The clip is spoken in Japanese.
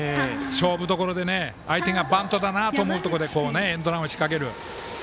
勝負どころで相手がバントだなと思うところでエンドランを仕掛ける。